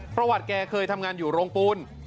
ประวัติแกเคยทำงานอยู่โรงปูน